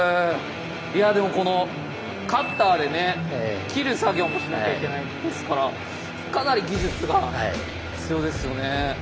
いやでもこのカッターでね切る作業もしなきゃいけないですからかなり技術が必要ですよね。